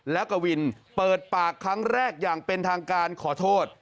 แล้วกวินเปิดปากครั้งแรกอย่างเป็นทางการขอโทษ